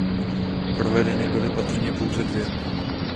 Provedeny byly patrně pouze dvě.